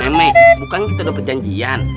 mek bukan kita dapat janjian